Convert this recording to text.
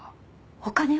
お金を？